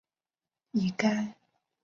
该地以铜业知名。